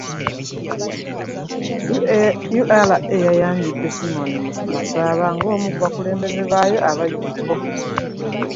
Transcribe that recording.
URA yayanjudde Simeon Masaba ng'omu ku batendesi baayo abajjuvu.